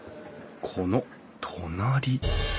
この隣！